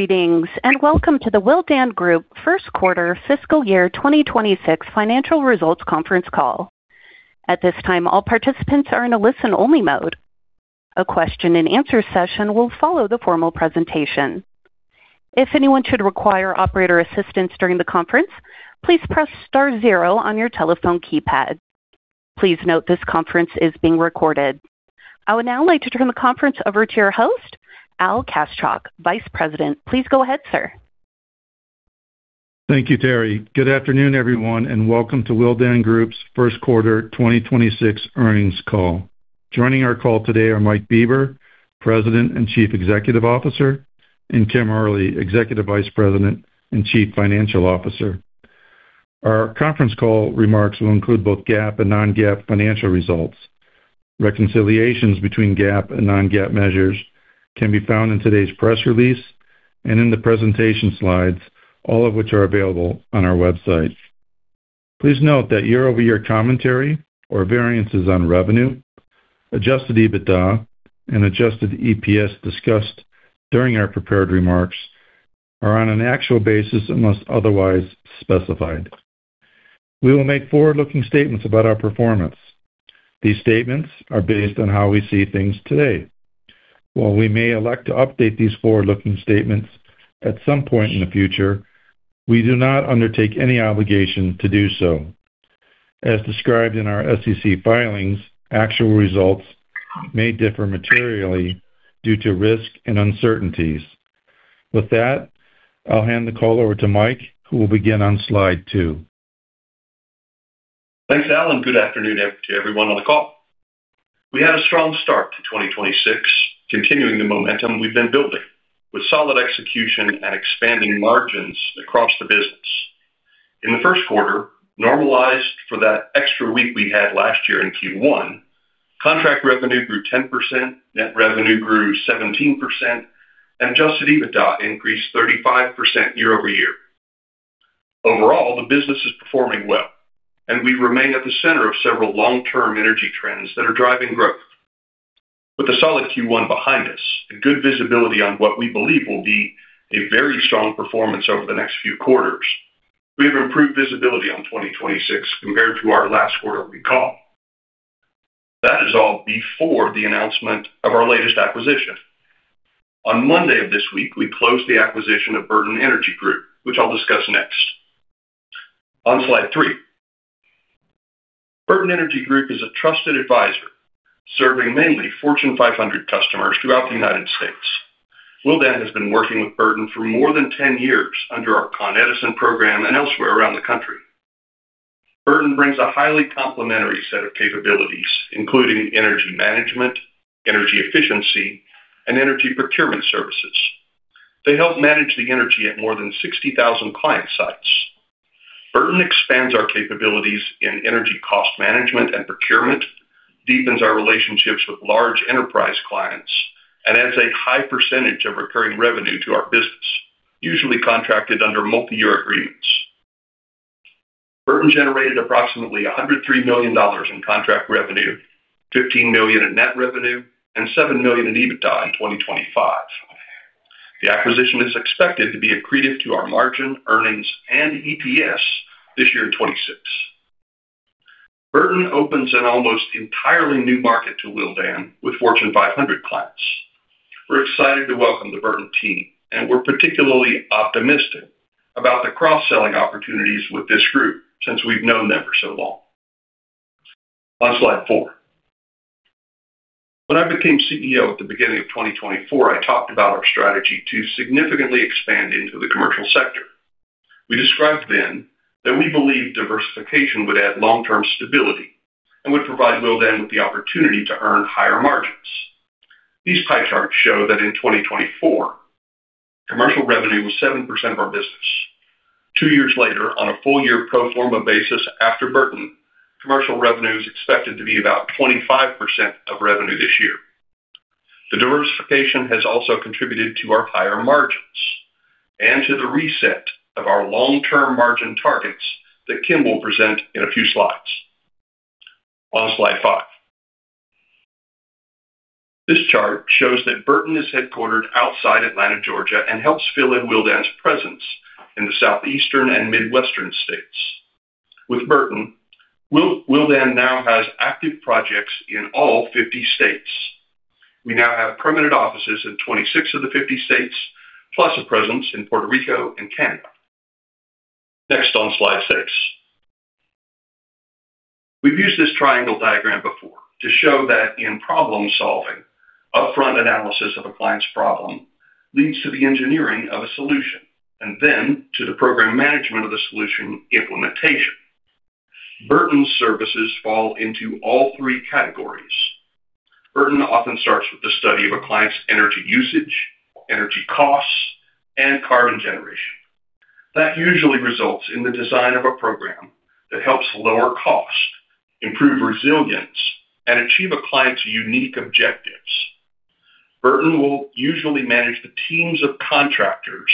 Greetings, welcome to the Willdan Group First Quarter fiscal year 2026 financial results conference call. At this time, all participants are in a listen-only mode. A question-and-answer session will follow the formal presentation. If anyone should require operator assistance during the conference, please press star zero on your telephone keypad. Please note this conference is being recorded. I would now like to turn the conference over to your host, Al Kaschalk, Vice President. Please go ahead, sir. Thank you, Terry. Good afternoon, everyone, and welcome to Willdan Group's first quarter 2026 earnings call. Joining our call today are Mike Bieber, President and Chief Executive Officer, and Kim Early, Executive Vice President and Chief Financial Officer. Our conference call remarks will include both GAAP and non-GAAP financial results. Reconciliations between GAAP and non-GAAP measures can be found in today's press release and in the presentation slides, all of which are available on our website. Please note that year-over-year commentary or variances on revenue, adjusted EBITDA, and adjusted EPS discussed during our prepared remarks are on an actual basis unless otherwise specified. We will make forward-looking statements about our performance. These statements are based on how we see things today. While we may elect to update these forward-looking statements at some point in the future, we do not undertake any obligation to do so. As described in our SEC filings, actual results may differ materially due to risk and uncertainties. With that, I'll hand the call over to Mike, who will begin on slide two. Thanks, Al. Good afternoon to everyone on the call. We had a strong start to 2026, continuing the momentum we've been building with solid execution and expanding margins across the business. In the first quarter, normalized for that extra week we had last year in Q1, contract revenue grew 10%, net revenue grew 17%, and adjusted EBITDA increased 35% year-over-year. Overall, the business is performing well, and we remain at the center of several long-term energy trends that are driving growth. With a solid Q1 behind us and good visibility on what we believe will be a very strong performance over the next few quarters, we have improved visibility on 2026 compared to our last quarter recall. That is all before the announcement of our latest acquisition. On Monday of this week, we closed the acquisition of Burton Energy Group, which I'll discuss next. On slide three. Burton Energy Group is a trusted advisor, serving mainly Fortune 500 customers throughout the U.S. Willdan has been working with Burton for more than 10 years under our Con Edison program and elsewhere around the country. Burton brings a highly complementary set of capabilities, including energy management, energy efficiency, and energy procurement services. They help manage the energy at more than 60,000 client sites. Burton expands our capabilities in energy cost management and procurement, deepens our relationships with large enterprise clients, and adds a high percentage of recurring revenue to our business, usually contracted under multi-year agreements. Burton generated approximately $103 million in contract revenue, $15 million in net revenue, and $7 million in EBITDA in 2025. The acquisition is expected to be accretive to our margin, earnings, and EPS this year in 2026. Burton opens an almost entirely new market to Willdan with Fortune 500 clients. We're excited to welcome the Burton team, and we're particularly optimistic about the cross-selling opportunities with this group since we've known them for so long. On slide four. When I became CEO at the beginning of 2024, I talked about our strategy to significantly expand into the commercial sector. We described then that we believe diversification would add long-term stability and would provide Willdan with the opportunity to earn higher margins. These pie charts show that in 2024, commercial revenue was 7% of our business. Two years later, on a full-year pro forma basis after Burton, commercial revenue is expected to be about 25% of revenue this year. The diversification has also contributed to our higher margins and to the reset of our long-term margin targets that Kim will present in a few slides. On slide five. This chart shows that Burton is headquartered outside Atlanta, Georgia, and helps fill in Willdan's presence in the Southeastern and Midwestern states. With Burton, Willdan now has active projects in all 50 states. We now have permanent offices in 26 of the 50 states, plus a presence in Puerto Rico and Canada. On slide six. We've used this triangle diagram before to show that in problem-solving, upfront analysis of a client's problem leads to the engineering of a solution and then to the program management of the solution implementation. Burton's services fall into all three categories. Burton often starts with the study of a client's energy usage, energy costs, and carbon generation. That usually results in the design of a program that helps lower cost, improve resilience, and achieve a client's unique objectives. Burton will usually manage the teams of contractors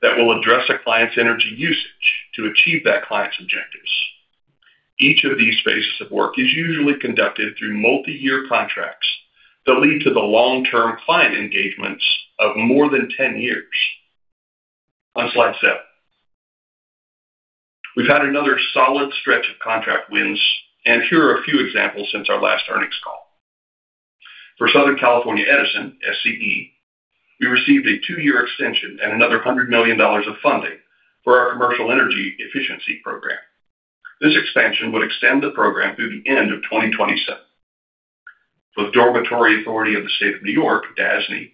that will address a client's energy usage to achieve that client's objectives. Each of these phases of work is usually conducted through multi-year contracts that lead to the long-term client engagements of more than 10 years. On slide seven. We've had another solid stretch of contract wins, and here are a few examples since our last earnings call. For Southern California Edison, SCE, we received a two-year extension and another $100 million of funding for our commercial energy efficiency program. This expansion would extend the program through the end of 2027. For the Dormitory Authority of the State of New York, DASNY,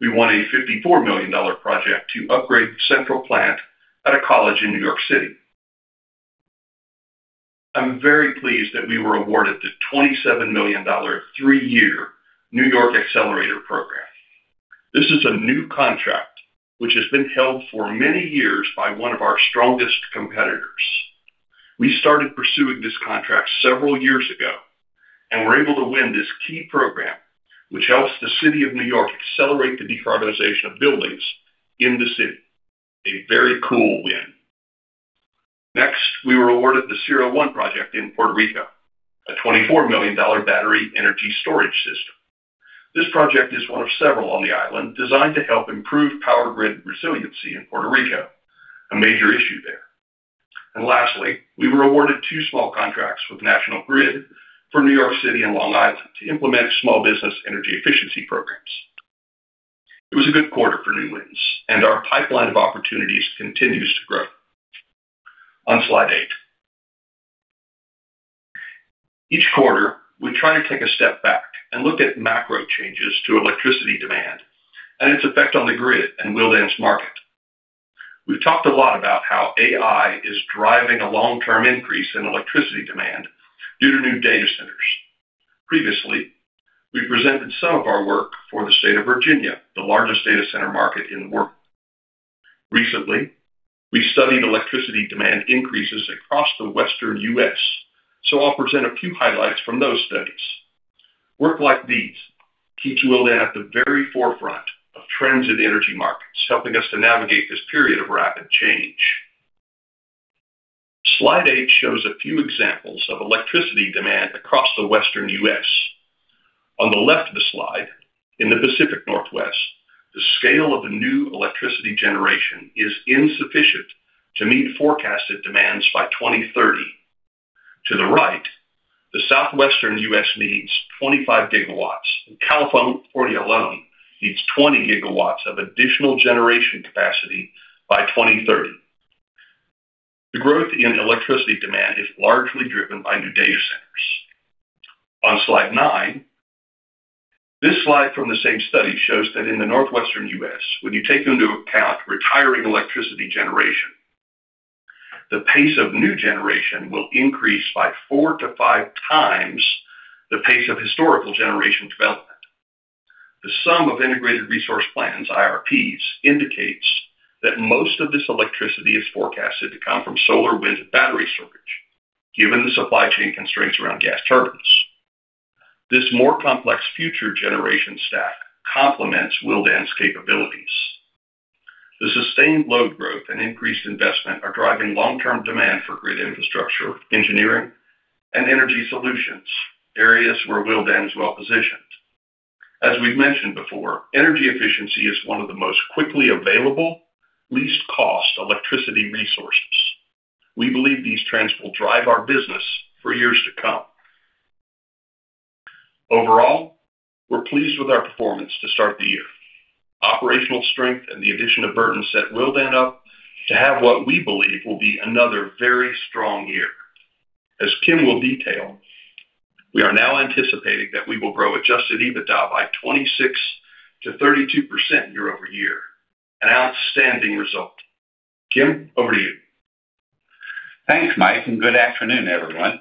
we won a $54 million project to upgrade the central plant at a college in New York City. I'm very pleased that we were awarded the $27 million three-year New York Accelerator program. This is a new contract which has been held for many years by one of our strongest competitors. We started pursuing this contract several years ago and were able to win this key program, which helps the city of New York accelerate the decarbonization of buildings in the city. A very cool win. We were awarded the Ciro One project in Puerto Rico, a $24 million battery energy storage system. This project is one of several on the island designed to help improve power grid resiliency in Puerto Rico, a major issue there. Lastly, we were awarded two small contracts with National Grid for New York City and Long Island to implement small business energy efficiency programs. It was a good quarter for new wins and our pipeline of opportunities continues to grow. On slide eight. Each quarter, we try to take a step back and look at macro changes to electricity demand and its effect on the grid and Willdan's market. We've talked a lot about how AI is driving a long-term increase in electricity demand due to new data centers. Previously, we presented some of our work for the state of Virginia, the largest data center market in the world. Recently, we studied electricity demand increases across the Western U.S. I'll present a few highlights from those studies. Work like these keeps Willdan at the very forefront of trends in energy markets, helping us to navigate this period of rapid change. Slide eight shows a few examples of electricity demand across the Western U.S. On the left of the slide, in the Pacific Northwest, the scale of the new electricity generation is insufficient to meet forecasted demands by 2030. To the right, the Southwestern U.S. needs 25 GW, and California alone needs 20 GW of additional generation capacity by 2030. The growth in electricity demand is largely driven by new data centers. On Slide nine. This slide from the same study shows that in the Northwestern U.S., when you take into account retiring electricity generation, the pace of new generation will increase by four to five times the pace of historical generation development. The sum of Integrated Resource Plans, IRPs, indicates that most of this electricity is forecasted to come from solar, wind, and battery storage, given the supply chain constraints around gas turbines. This more complex future generation stack complements Willdan's capabilities. The sustained load growth and increased investment are driving long-term demand for grid infrastructure, engineering, and energy solutions, areas where Willdan is well-positioned. As we've mentioned before, energy efficiency is one of the most quickly available, least cost electricity resources. We believe these trends will drive our business for years to come. Overall, we're pleased with our performance to start the year. Operational strength and the addition of Burton set Willdan up to have what we believe will be another very strong year. As Kim will detail, we are now anticipating that we will grow adjusted EBITDA by 26%-32% year-over-year, an outstanding result. Kim, over to you. Thanks, Mike. Good afternoon, everyone.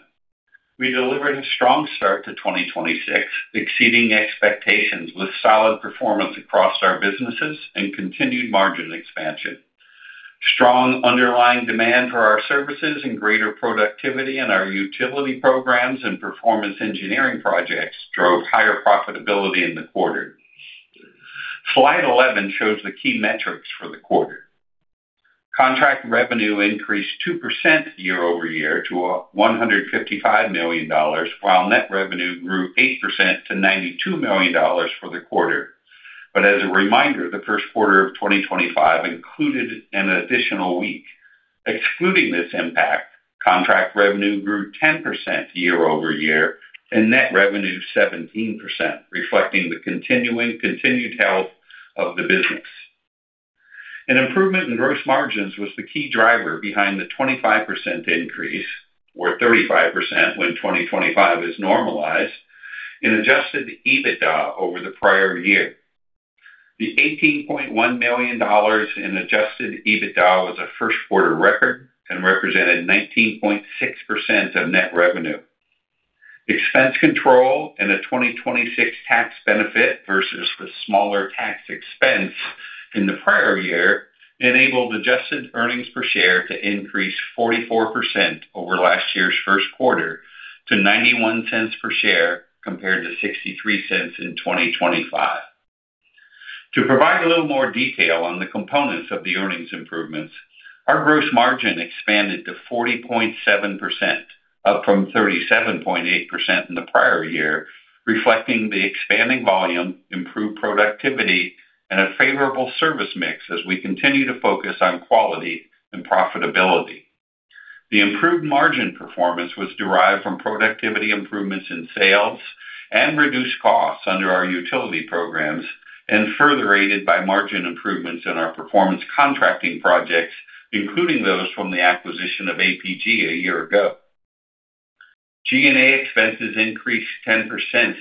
We delivered a strong start to 2026, exceeding expectations with solid performance across our businesses and continued margin expansion. Strong underlying demand for our services and greater productivity in our utility programs and performance engineering projects drove higher profitability in the quarter. Slide 11 shows the key metrics for the quarter. Contract revenue increased 2% year-over-year to $155 million, while net revenue grew 8% to $92 million for the quarter. As a reminder, the first quarter of 2025 included an additional week. Excluding this impact, contract revenue grew 10% year-over-year and net revenue 17%, reflecting the continued health of the business. An improvement in gross margins was the key driver behind the 25% increase, or 35% when 2025 is normalized, in adjusted EBITDA over the prior year. The $18.1 million in adjusted EBITDA was a first quarter record and represented 19.6% of net revenue. Expense control and a 2026 tax benefit versus the smaller tax expense in the prior year enabled adjusted earnings per share to increase 44% over last year's first quarter to $0.91 per share compared to $0.63 in 2025. To provide a little more detail on the components of the earnings improvements, our gross margin expanded to 40.7%, up from 37.8% in the prior year, reflecting the expanding volume, improved productivity, and a favorable service mix as we continue to focus on quality and profitability. The improved margin performance was derived from productivity improvements in sales and reduced costs under our utility programs and further aided by margin improvements in our performance contracting projects, including those from the acquisition of APG a year ago. G&A expenses increased 10%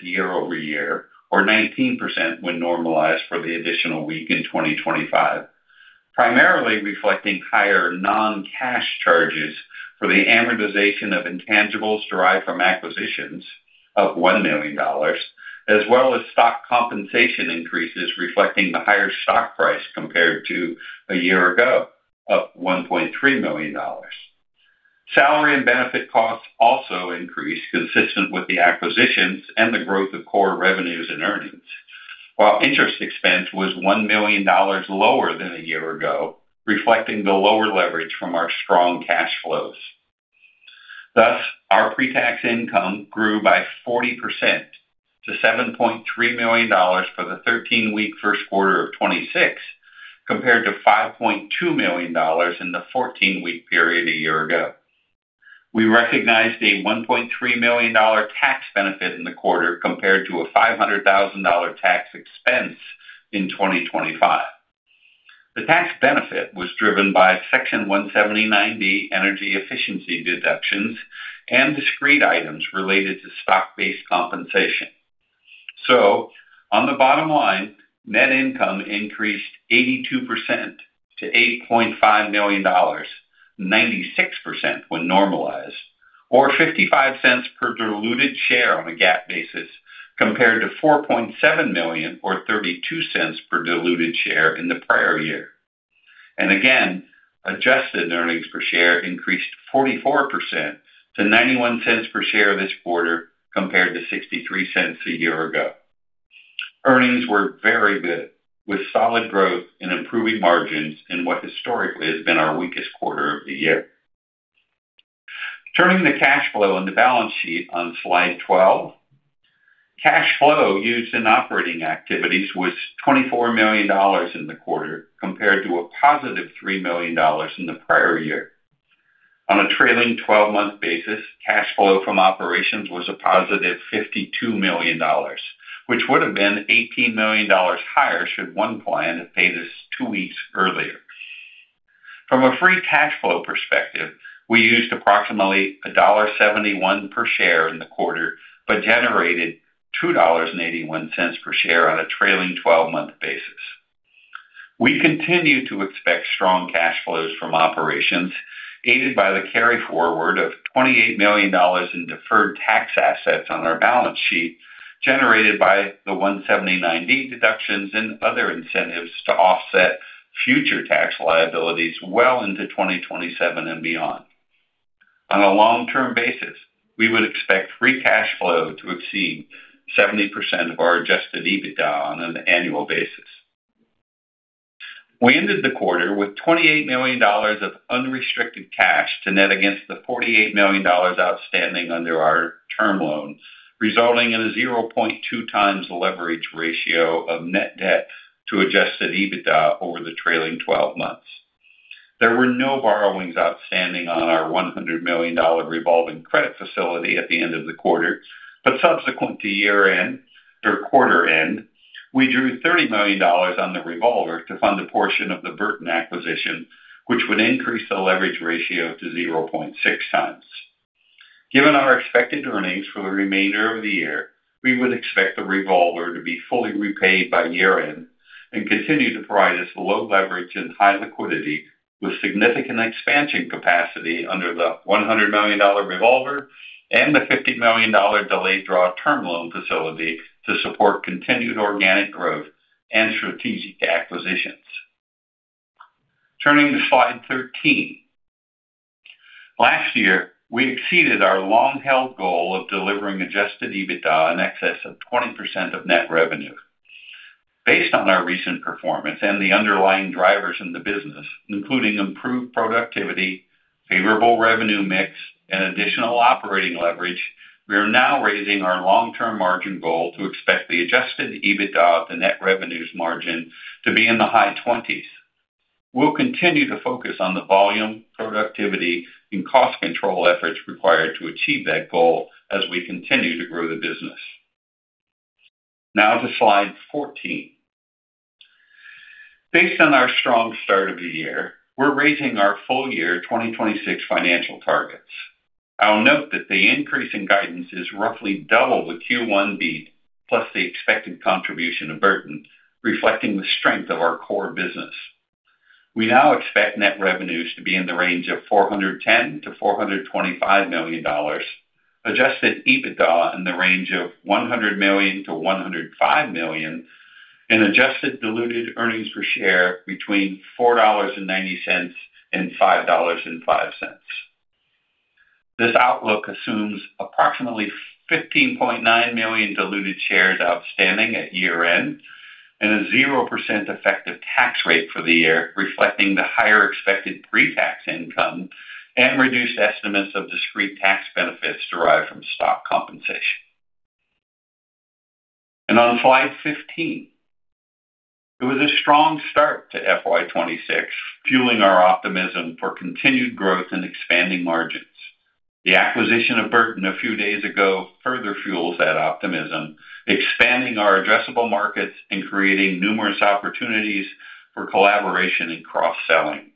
year-over-year, or 19% when normalized for the additional week in 2025, primarily reflecting higher non-cash charges for the amortization of intangibles derived from acquisitions of $1 million, as well as stock compensation increases reflecting the higher stock price compared to a year ago, up $1.3 million. Salary and benefit costs also increased consistent with the acquisitions and the growth of core revenues and earnings, while interest expense was $1 million lower than a year ago, reflecting the lower leverage from our strong cash flows. Thus, our pre-tax income grew by 40% to $7.3 million for the 13-week first quarter of 2026, compared to $5.2 million in the 14-week period a year ago. We recognized a $1.3 million tax benefit in the quarter compared to a $500,000 tax expense in 2025. The tax benefit was driven by Section 179D energy efficiency deductions and discrete items related to stock-based compensation. On the bottom line, net income increased 82% to $8.5 million, 96% when normalized, or $0.55 per diluted share on a GAAP basis, compared to $4.7 million or $0.32 per diluted share in the prior year. Again, adjusted earnings per share increased 44% to $0.91 per share this quarter, compared to $0.63 a year ago. Earnings were very good, with solid growth in improving margins in what historically has been our weakest quarter of the year. Turning to cash flow on the balance sheet on slide 12. Cash flow used in operating activities was $24 million in the quarter compared to a positive $3 million in the prior year. On a trailing 12-month basis, cash flow from operations was a positive $52 million, which would have been $18 million higher should one client have paid us two weeks earlier. From a free cash flow perspective, we used approximately $1.71 per share in the quarter, but generated $2.81 per share on a trailing 12-month basis. We continue to expect strong cash flows from operations, aided by the carryforward of $28 million in deferred tax assets on our balance sheet, generated by the Section 179D deductions and other incentives to offset future tax liabilities well into 2027 and beyond. On a long-term basis, we would expect free cash flow to exceed 70% of our adjusted EBITDA on an annual basis. We ended the quarter with $28 million of unrestricted cash to net against the $48 million outstanding under our term loan, resulting in a 0.2x leverage ratio of net debt to adjusted EBITDA over the trailing 12 months. There were no borrowings outstanding on our $100 million revolving credit facility at the end of the quarter. Subsequent to year-end or quarter end, we drew $30 million on the revolver to fund a portion of the Burton acquisition, which would increase the leverage ratio to 0.6x. Given our expected earnings for the remainder of the year, we would expect the revolver to be fully repaid by year-end and continue to provide us low leverage and high liquidity with significant expansion capacity under the $100 million revolver and the $50 million delayed draw term loan facility to support continued organic growth and strategic acquisitions. Turning to slide 13. Last year, we exceeded our long-held goal of delivering adjusted EBITDA in excess of 20% of net revenue. Based on our recent performance and the underlying drivers in the business, including improved productivity, favorable revenue mix, and additional operating leverage, we are now raising our long-term margin goal to expect the adjusted EBITDA of the net revenues margin to be in the high 20s. We'll continue to focus on the volume, productivity, and cost control efforts required to achieve that goal as we continue to grow the business. To slide 14. Based on our strong start of the year, we're raising our full year 2026 financial targets. I'll note that the increase in guidance is roughly double the Q1 beat plus the expected contribution of Burton, reflecting the strength of our core business. We now expect net revenues to be in the range of $410 million-$425 million, adjusted EBITDA in the range of $100 million-$105 million, and adjusted diluted earnings per share between $4.90 and $5.05. This outlook assumes approximately 15.9 million diluted shares outstanding at year-end and a 0% effective tax rate for the year, reflecting the higher expected pre-tax income and reduced estimates of discrete tax benefits derived from stock compensation. On slide 15, it was a strong start to FY 2026, fueling our optimism for continued growth and expanding margins. The acquisition of Burton a few days ago further fuels that optimism, expanding our addressable markets and creating numerous opportunities for collaboration and cross-selling.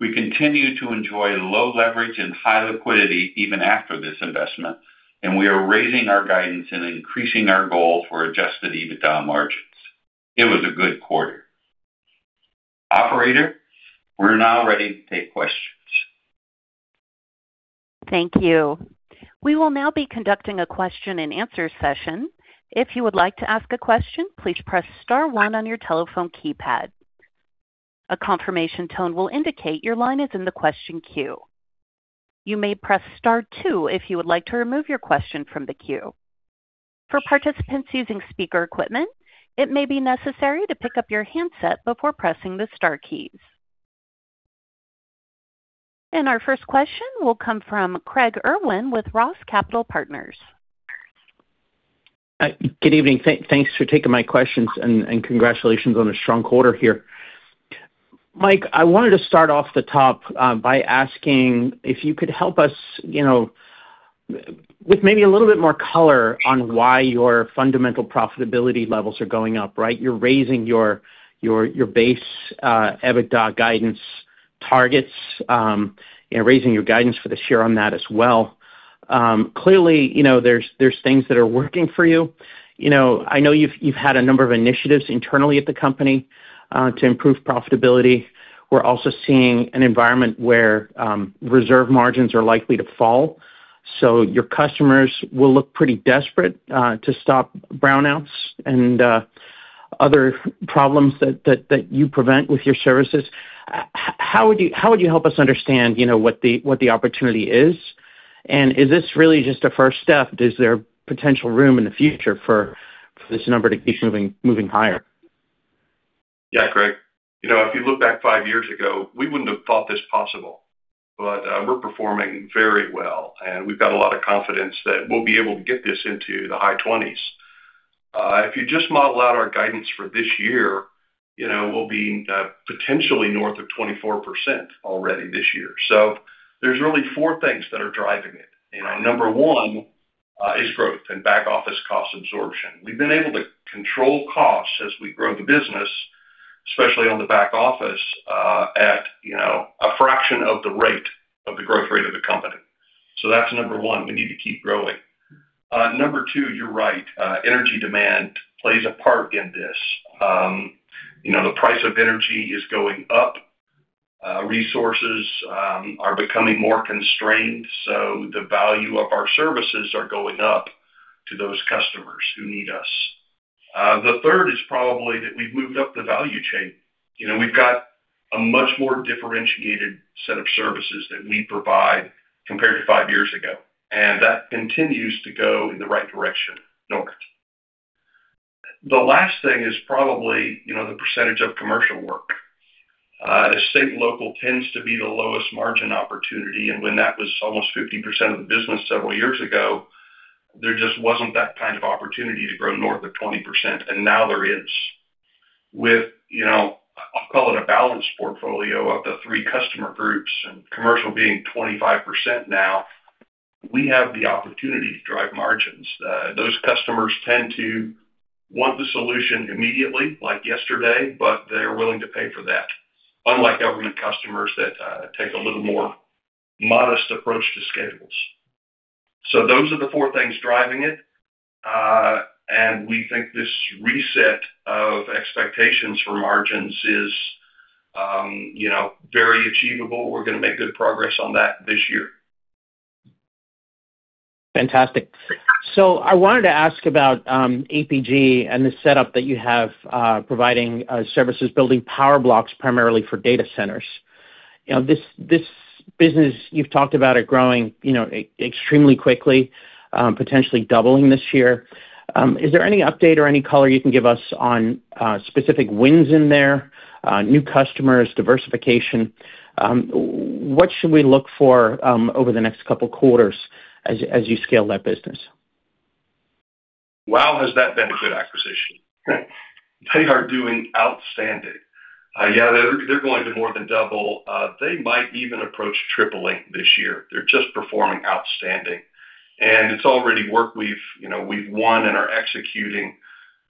We continue to enjoy low leverage and high liquidity even after this investment, and we are raising our guidance and increasing our goal for adjusted EBITDA margins. It was a good quarter. Operator, we're now ready to take questions. Thank you. We will now be conducting a question-and-answer session. If you would like to ask a question, please press star one on your telephone keypad. A confirmation tone will indicate your line is in the question queue. You may press star two if you would like to remove your question from the queue. For participants using speaker equipment, it may be necessary to pick up your handset before pressing the star keys. Our first question will come from Craig Irwin with ROTH Capital Partners. Good evening. Thanks for taking my questions and congratulations on a strong quarter here. Mike, I wanted to start off the top by asking if you could help us, you know, with maybe a little bit more color on why your fundamental profitability levels are going up, right? You're raising your base EBITDA guidance targets, raising your guidance for this year on that as well. Clearly, you know, there's things that are working for you. You know, I know you've had a number of initiatives internally at the company to improve profitability. We're also seeing an environment where reserve margins are likely to fall, so your customers will look pretty desperate to stop brownouts and other problems that you prevent with your services. How would you help us understand, you know, what the opportunity is? Is this really just a first step? Is there potential room in the future for this number to keep moving higher? Yeah, Craig. You know, if you look back five years ago, we wouldn't have thought this possible, but we're performing very well, and we've got a lot of confidence that we'll be able to get this into the high 20s. If you just model out our guidance for this year, you know, we'll be potentially north of 24% already this year. There's really four things that are driving it. You know, number one, is growth and back office cost absorption. We've been able to control costs as we grow the business, especially on the back office, at, you know, a fraction of the rate of the growth rate of the company. That's number one. We need to keep growing. Number two, you're right, energy demand plays a part in this. You know, the price of energy is going up. Resources are becoming more constrained, so the value of our services are going up to those customers who need us. The third is probably that we've moved up the value chain. You know, we've got a much more differentiated set of services that we provide compared to five years ago, and that continues to go in the right direction, north. The last thing is probably, you know, the percentage of commercial work. State and local tends to be the lowest margin opportunity, and when that was almost 15% of the business several years ago, there just wasn't that kind of opportunity to grow north of 20%, and now there is. With, you know, I'll call it a balanced portfolio of the three customer groups and commercial being 25% now, we have the opportunity to drive margins. Those customers tend to want the solution immediately, like yesterday, but they're willing to pay for that, unlike government customers that take a little more modest approach to schedules. Those are the four things driving it. We think this reset of expectations for margins is, you know, very achievable. We're going to make good progress on that this year. Fantastic. I wanted to ask about APG and the setup that you have providing services, building power blocks primarily for data centers. You know, this business, you've talked about it growing, you know, extremely quickly, potentially doubling this year. Is there any update or any color you can give us on specific wins in there, new customers, diversification? What should we look for over the next couple quarters as you scale that business? Wow, has that been a good acquisition. They are doing outstanding. Yeah, they're going to more than double. They might even approach tripling this year. They're just performing outstanding. It's already work we've, you know, we've won and are executing,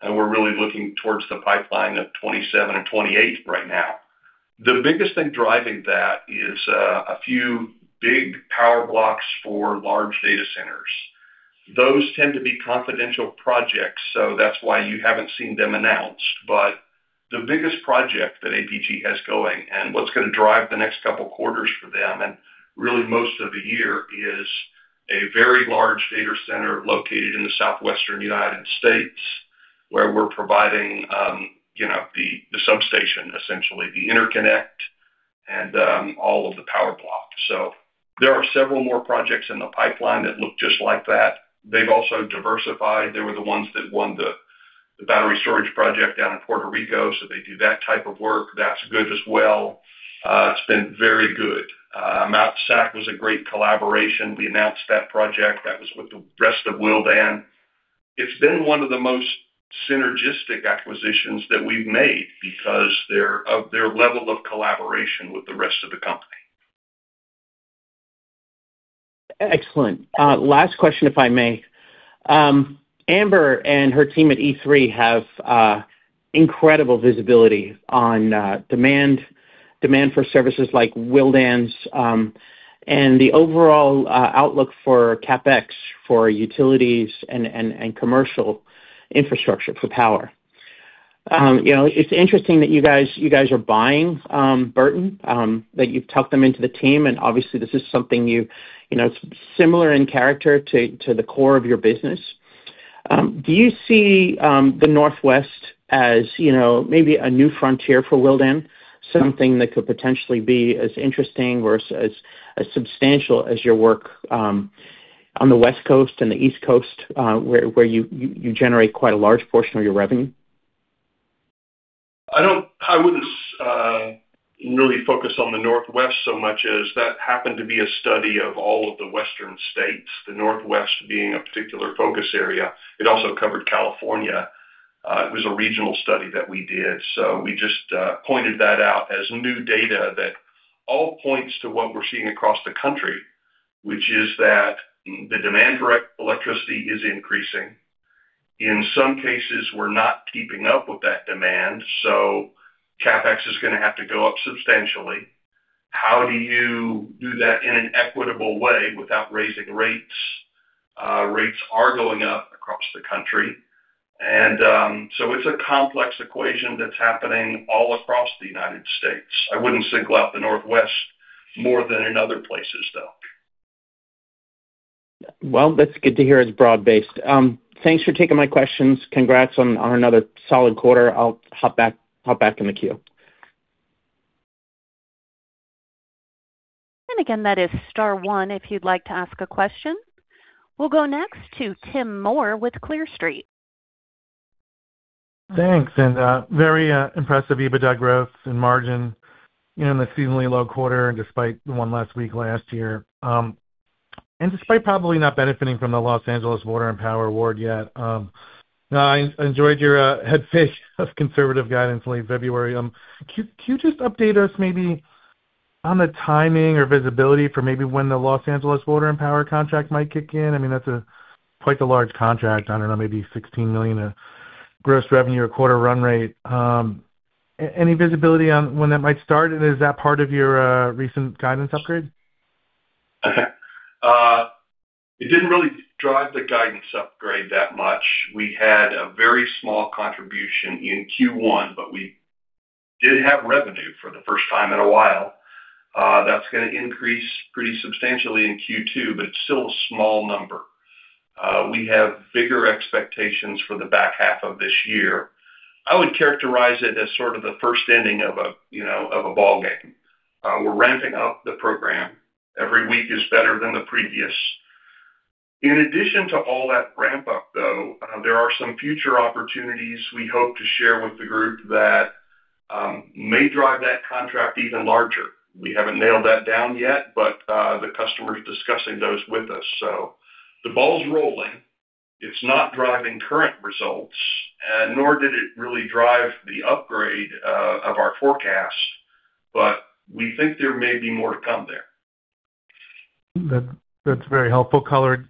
and we're really looking towards the pipeline of 27 and 28 right now. The biggest thing driving that is a few big power blocks for large data centers. Those tend to be confidential projects, that's why you haven't seen them announced. The biggest project that APG has going and what's going to drive the next couple quarters for them and really most of the year is a very large data center located in the Southwestern United States. Where we're providing, you know, the substation, essentially the interconnect and all of the power blocks. There are several more projects in the pipeline that look just like that. They've also diversified. They were the ones that won the battery storage project down in Puerto Rico, they do that type of work. That's good as well. It's been very good. Mt. SAC was a great collaboration. We announced that project. That was with the rest of Willdan. It's been one of the most synergistic acquisitions that we've made because of their level of collaboration with the rest of the company. Excellent. Last question, if I may. Amber and her team at E3 have incredible visibility on demand for services like Willdan's and the overall outlook for CapEx for utilities and commercial infrastructure for power. You know, it's interesting that you guys are buying Burton, that you've tucked them into the team, and obviously this is something you know, similar in character to the core of your business. Do you see the Northwest as, you know, maybe a new frontier for Willdan, something that could potentially be as interesting or as substantial as your work on the West Coast and the East Coast, where you generate quite a large portion of your revenue? I wouldn't really focus on the Northwest so much as that happened to be a study of all of the Western states, the Northwest being a particular focus area. It also covered California. It was a regional study that we did, so we just pointed that out as new data that all points to what we're seeing across the country, which is that the demand for electricity is increasing. In some cases, we're not keeping up with that demand, so CapEx is gonna have to go up substantially. How do you do that in an equitable way without raising rates? Rates are going up across the country. It's a complex equation that's happening all across the United States. I wouldn't single out the Northwest more than in other places, though. Well, that's good to hear it's broad-based. Thanks for taking my questions. Congrats on another solid quarter. I'll hop back in the queue. Again, that is star one if you'd like to ask a question. We'll go next to Tim Moore with Clear Street. Thanks. Very impressive EBITDA growth and margin in the seasonally low quarter despite one last week, last year. Despite probably not benefiting from the Los Angeles Department of Water and Power award yet. I enjoyed your head fake of conservative guidance late February. Can you just update us maybe on the timing or visibility for maybe when the Los Angeles Department of Water and Power contract might kick in? I mean, that's a quite the large contract. I don't know, maybe $16 million gross revenue a quarter run rate. Any visibility on when that might start? Is that part of your recent guidance upgrade? It didn't really drive the guidance upgrade that much. We had a very small contribution in Q1, but we did have revenue for the first time in a while. That's gonna increase pretty substantially in Q2, but it's still a small number. We have bigger expectations for the back half of this year. I would characterize it as sort of the first inning of a, you know, of a ballgame. We're ramping up the program. Every week is better than the previous. In addition to all that ramp up, though, there are some future opportunities we hope to share with the group that may drive that contract even larger. We haven't nailed that down yet, but the customer is discussing those with us. The ball's rolling. It's not driving current results, nor did it really drive the upgrade of our forecast, but we think there may be more to come there. That's very helpful color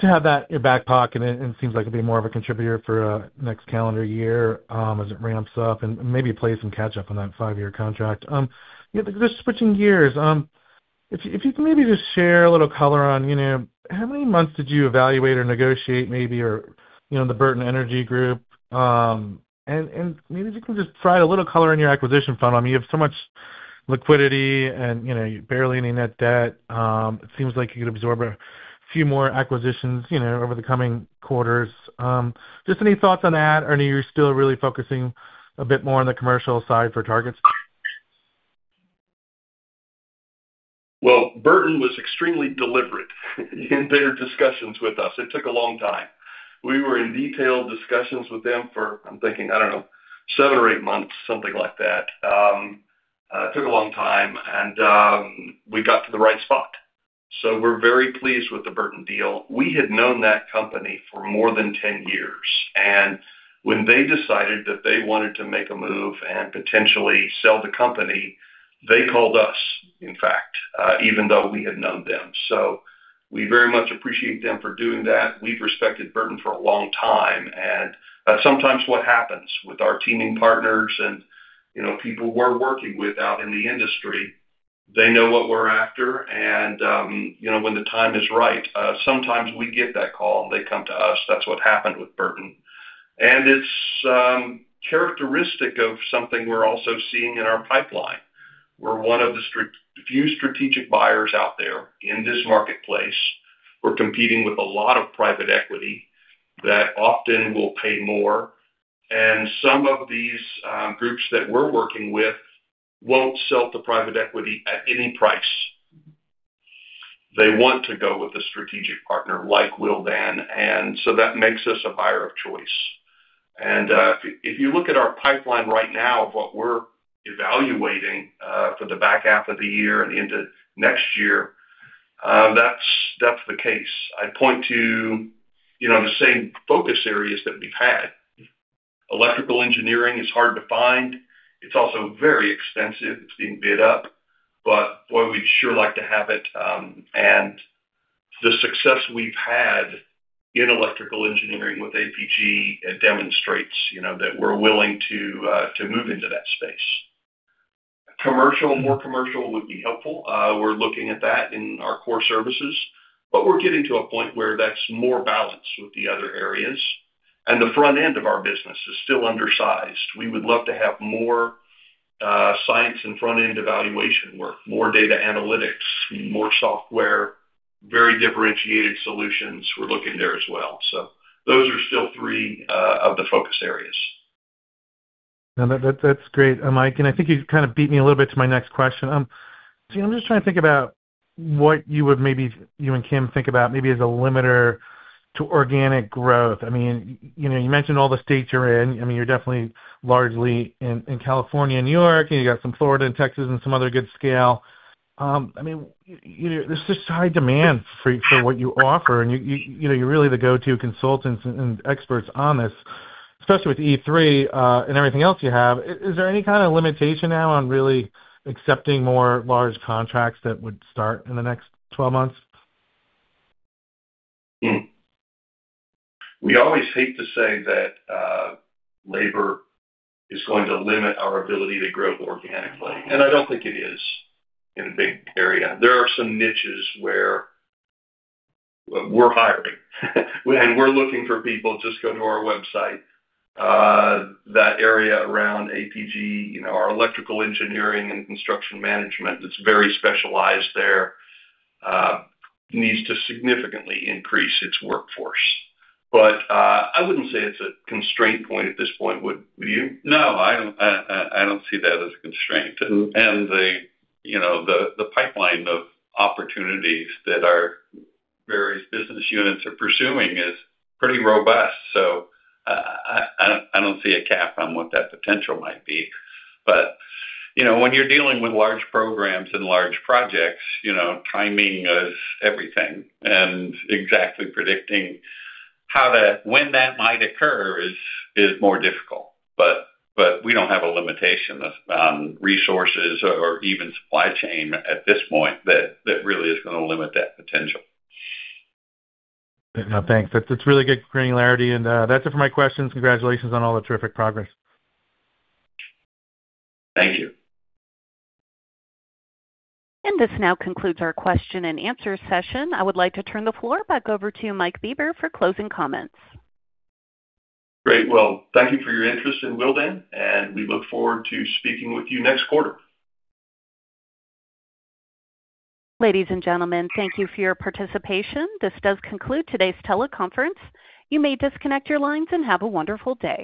to have that in your back pocket. It seems like it'll be more of a contributor for next calendar year, as it ramps up and maybe play some catch up on that five-year contract. Just switching gears. If you could maybe just share a little color on, you know, how many months did you evaluate or negotiate maybe, or, you know, the Burton Energy Group. Maybe if you can just provide a little color on your acquisition front. I mean, you have so much liquidity and, you know, barely any net debt. It seems like you could absorb a few more acquisitions, you know, over the coming quarters. Just any thoughts on that, or are you still really focusing a bit more on the commercial side for targets? Well, Burton was extremely deliberate in their discussions with us. It took a long time. We were in detailed discussions with them for, I'm thinking, I don't know, seven or eight months, something like that. It took a long time and we got to the right spot. We're very pleased with the Burton deal. We had known that company for more than 10 years, and when they decided that they wanted to make a move and potentially sell the company, they called us, in fact, even though we had known them. We very much appreciate them for doing that. We've respected Burton for a long time, and that's sometimes what happens with our teaming partners and, you know, people we're working with out in the industry. They know what we're after and, you know, when the time is right, sometimes we get that call. They come to us. That's what happened with Burton. It's characteristic of something we're also seeing in our pipeline. We're one of the few strategic buyers out there in this marketplace. We're competing with a lot of private equity that often will pay more. Some of these groups that we're working with won't sell to private equity at any price. They want to go with a strategic partner like Willdan, and so that makes us a buyer of choice. If you look at our pipeline right now of what we're evaluating for the back half of the year and into next year, that's the case. I'd point to, you know, the same focus areas that we've had. Electrical engineering is hard to find. It's also very expensive. It's being bid up. Boy, we'd sure like to have it. The success we've had in electrical engineering with APG, it demonstrates, you know, that we're willing to move into that space. Commercial, more commercial would be helpful. We're looking at that in our core services, we're getting to a point where that's more balanced with the other areas. The front end of our business is still undersized. We would love to have more science and front-end evaluation work, more data analytics, more software, very differentiated solutions. We're looking there as well. Those are still three of the focus areas. No, that's great, Mike, and I think you kind of beat me a little bit to my next question. See, I'm just trying to think about what you and Kim think about maybe as a limiter to organic growth. I mean, you know, you mentioned all the states you're in. I mean, you're definitely largely in California and New York, and you got some Florida and Texas and some other good scale. I mean, you know, there's just high demand for what you offer. And you know, you're really the go-to consultants and experts on this, especially with E3 and everything else you have. Is there any kind of limitation now on really accepting more large contracts that would start in the next 12 months? We always hate to say that labor is going to limit our ability to grow organically, and I don't think it is in a big area. There are some niches where we're hiring and we're looking for people. Just go to our website. That area around APG, you know, our electrical engineering and construction management that's very specialized there, needs to significantly increase its workforce. I wouldn't say it's a constraint point at this point, would you? No, I don't, I don't see that as a constraint. The, you know, the pipeline of opportunities that our various business units are pursuing is pretty robust. I don't see a cap on what that potential might be. You know, when you're dealing with large programs and large projects, you know, timing is everything. Exactly predicting how that when that might occur is more difficult. We don't have a limitation of resources or even supply chain at this point that really is gonna limit that potential. No, thanks. That's really good granularity. That's it for my questions. Congratulations on all the terrific progress. Thank you. This now concludes our question and answer session. I would like to turn the floor back over to Mike Bieber for closing comments. Great. Well, thank you for your interest in Willdan. We look forward to speaking with you next quarter. Ladies and gentlemen, thank you for your participation. This does conclude today's teleconference. You may disconnect your lines, and have a wonderful day.